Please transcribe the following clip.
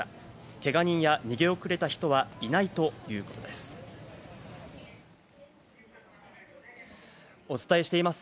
けが人や逃げ遅れた人はいないということです。